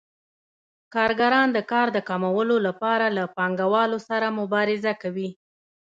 کارګران د کار د کمولو لپاره له پانګوالو سره مبارزه کوي